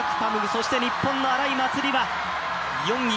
そして日本の荒井祭里は４位。